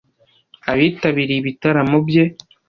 abitabiriye ibitaramo bye